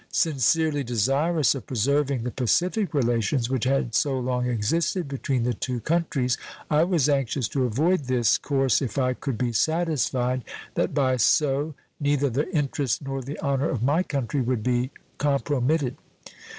Sincerely desirous of preserving the pacific relations which had so long existed between the two countries, I was anxious to avoid this course if I could be satisfied that by so neither the interests nor the honor of my country would be compromitted.